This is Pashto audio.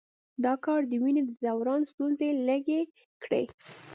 دا کار د وینې د دوران ستونزې لږې کړي.